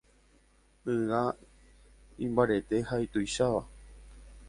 Yga imbarete ha ituicháva.